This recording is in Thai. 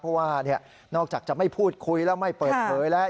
เพราะว่านอกจากจะไม่พูดคุยแล้วไม่เปิดเผยแล้ว